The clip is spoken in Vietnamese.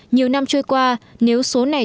nhiều năm trôi qua nếu số này